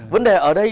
vấn đề ở đây